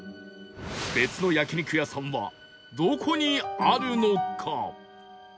別の焼肉屋さんはどこにあるのか？